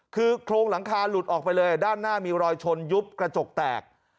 คือโครงหลังคาหลุดออกไปเลยด้านหน้ามีรอยชนยุบกระจกแตก